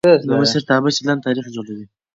د مشرتابه چلند تاریخ جوړوي